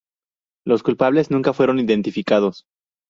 Los culpables nunca fueron identificados.